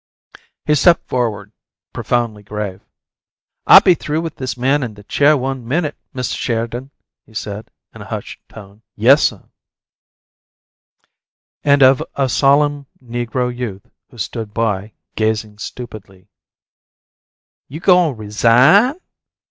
He stepped forward, profoundly grave. "I be through with this man in the chair one minute, Mist' Sheridan," he said, in a hushed tone. "Yessuh." And of a solemn negro youth who stood by, gazing stupidly, "You goin' RESIGN?"